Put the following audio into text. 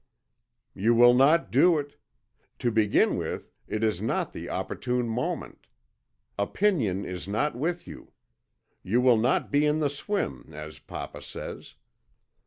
"You will not do it. To begin with it is not the opportune moment. Opinion is not with you. You will not be in the swim, as papa says.